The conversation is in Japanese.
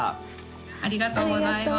ありがとうございます。